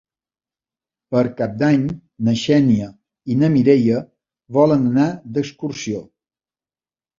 Per Cap d'Any na Xènia i na Mireia volen anar d'excursió.